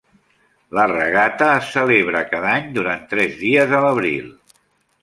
La regata es celebra cada any durant tres dies a l'abril.